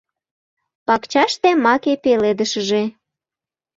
Пакчаште маке пеледышыже